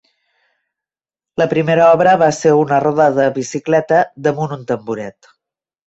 La primera obra va ser una roda de bicicleta damunt un tamboret.